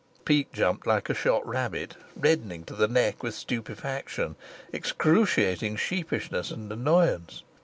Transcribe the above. Peake jumped like a shot rabbit, reddening to the neck with stupefaction, excruciating sheepishness and annoyance.